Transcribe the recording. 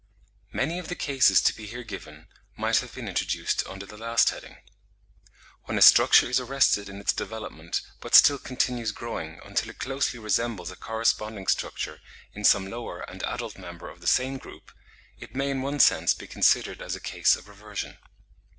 Many of the cases to be here given, might have been introduced under the last heading. When a structure is arrested in its development, but still continues growing, until it closely resembles a corresponding structure in some lower and adult member of the same group, it may in one sense be considered as a case of reversion.